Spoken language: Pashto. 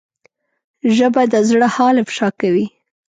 ژبه د زړه حال افشا کوي